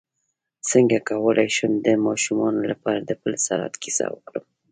څنګه کولی شم د ماشومانو لپاره د پل صراط کیسه وکړم